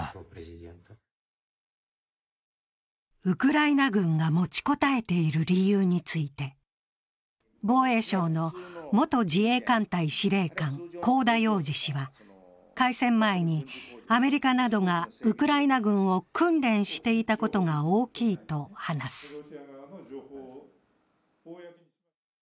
ウクライナ軍が持ちこたえている理由について防衛省の元自衛艦隊司令官香田洋二氏は開戦前にアメリカなどがウクライナ軍を訓練していたことが大きいと話す。